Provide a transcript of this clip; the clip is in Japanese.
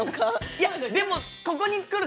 いやでもここに来るか